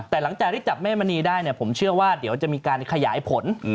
แต่หลังจากที่จับแม่มณีได้ผมเชื่อว่าเดี๋ยวจะมีการขยายผล